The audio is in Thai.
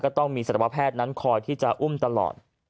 ต้องมีสัตวแพทย์นั้นคอยที่จะอุ้มตลอด